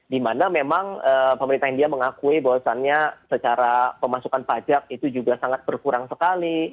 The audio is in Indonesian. dimana memang pemerintah india mengakui bahwasannya secara pemasukan pajak itu juga sangat berkurang sekali